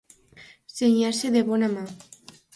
Senyar-se de bona mà.